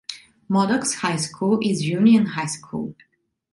Modoc's high school is Union High School.